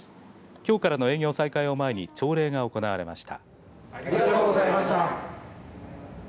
きょうからの営業再開を前に朝礼が行われました。